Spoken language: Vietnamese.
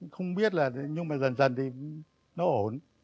không biết là nhưng mà dần dần thì nó ổn